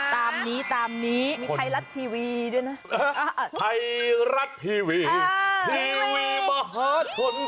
ไทรัฐทีวีทีวีมหาชน